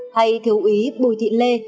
thầy thứ úy bùi thị lê